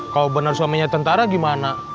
kalau benar suaminya tentara gimana